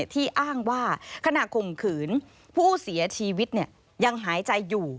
ที่อ้างว่าขณะข่มขืนผู้เสียชีวิตยังหายใจอยู่